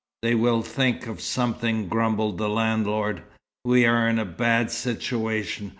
They will think of something," grumbled the landlord. "We are in a bad situation.